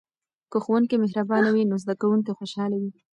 که ښوونکی مهربانه وي نو زده کوونکي خوشحاله وي.